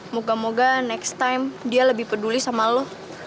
moga moga next time dia lebih peduli sama lo